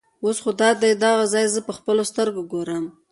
اوس خو دادی دغه ځای زه په خپلو سترګو ګورم.